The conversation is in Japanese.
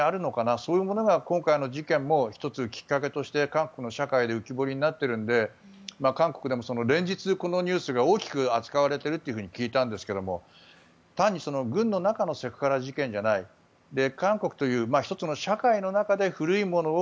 そういうのが今回の事件の１つきっかけとして韓国の社会で浮き彫りになっているので韓国でも連日、このニュースが大きく扱われていると聞いたんですけども単に軍の中のセクハラ事件じゃない韓国という１つ韓国の社会の中で古いものを